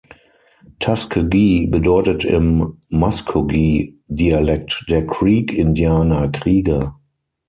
Tuskegee bedeutet im Muskogee-Dialekt der Creek-Indianer "Krieger".